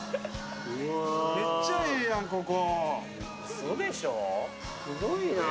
めっちゃええやん、ここ。